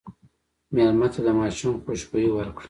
مېلمه ته د ماشوم خوشبويي ورکړه.